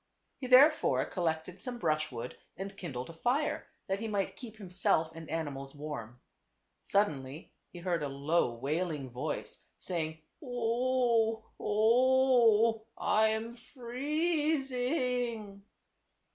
He therefore collected some brushwood and kindled a fire, that he might keep himself and animals warm. Suddenly he heard a low, wailing voice, saying, " O oh, o oh ! I am freez ing."